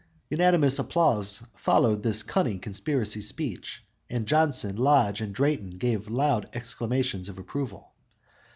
"_ Unanimous applause followed this cunning conspiracy speech, and Jonson, Lodge and Drayton gave loud exclamations of approval.